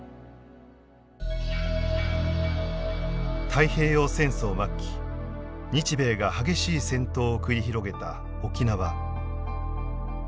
太平洋戦争末期日米が激しい戦闘を繰り広げた沖縄。